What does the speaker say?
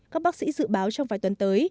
các bác sĩ dự báo trong vài tuần tới